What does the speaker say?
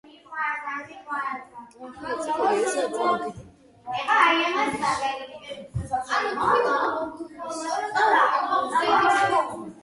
ტროლეიბუსის დეპო მდებარეობდა ცხინვალის გზატკეცილზე.